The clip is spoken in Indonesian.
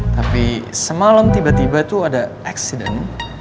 tapi semalam tiba tiba tuh ada accident